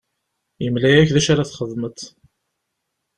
Yemla-ak d acu ara txedmeḍ.